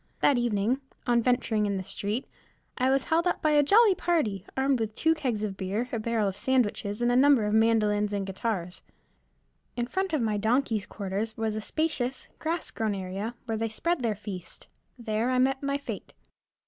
That evening, on venturing in the street, I was held up by a jolly party, armed with two kegs of beer, a barrel of sandwiches, and a number of mandolins and guitars. In front of my donkey's quarters was a spacious, grass grown area, where they spread their feast; there I met my fête.